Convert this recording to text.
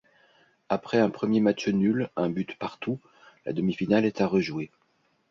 Après un premier match nul un but partout, la demi-finale est à rejouer.